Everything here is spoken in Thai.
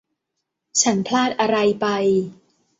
ฉันพลาดอะไรไป